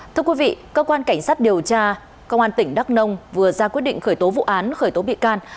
thưa quý vị cơ quan cảnh sát điều tra công an tỉnh đắk nông vừa ra quyết định khởi tố vụ án khởi tố bị can